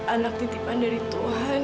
anak titipan dari tuhan